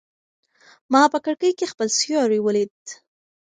ما په کړکۍ کې خپل سیوری ولید.